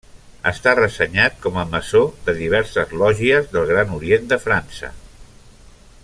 Està ressenyat com a maçó de diverses lògies del Gran Orient de França.